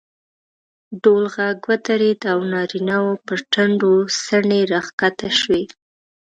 ډول غږ ودرېد او نارینه وو پر ټنډو څڼې راکښته شوې.